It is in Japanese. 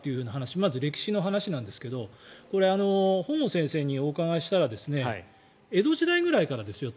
まず歴史の話なんですけど本郷先生にお伺いしたら江戸時代ぐらいからですよと。